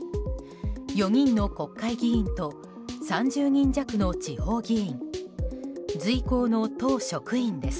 ４人の国会議員と３０人弱の地方議員随行の党職員です。